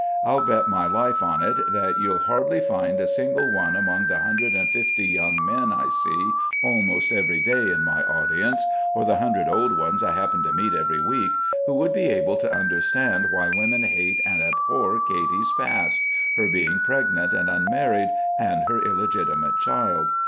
I'll bet my life on it that you'll hardly find a single one among the hundred and fifty young men I see almost every day in my audience, or the hundred old ones I happen to meet every week, who would be able to understand why women hate and abhor Katy's past, her being pregnant and unmarried and her illegitimate child.